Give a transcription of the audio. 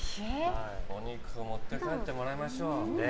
お肉持って帰ってもらいましょう。